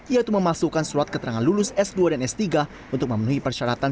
yaitu memasukkan surat keterangan lulus s dua dan s tiga untuk memenuhi persyaratan